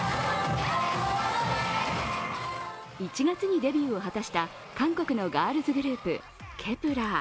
１月にデビューを果たした韓国のガールズグループ、ｋｅｐ１ｅｒ。